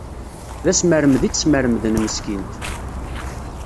D asmermed i tt-smermden meskint.